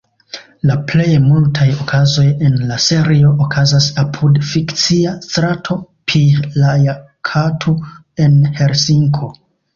La plej multaj okazoj en la serio okazas apud fikcia strato Pihlajakatu en Helsinko.